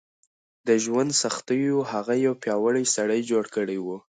د ژوند سختیو هغه یو پیاوړی سړی جوړ کړی و.